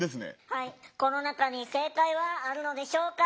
はいこの中に正解はあるのでしょうか？